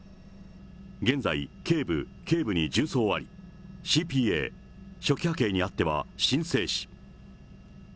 現在、けい部、けい部に銃創あり、ＣＰＡ、初期波形にあっては心停止。